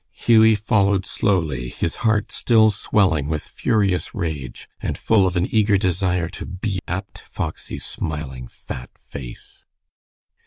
Hughie followed slowly, his heart still swelling with furious rage, and full of an eager desire to be at Foxy's smiling, fat face.